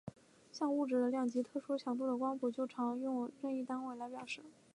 像物质的量及特殊强度的光谱就常用任意单位来表示。